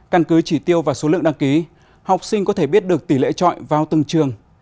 căn cứ chỉ tiêu và số lượng đăng ký học sinh có thể biết được tỷ lệ trọi vào từng trường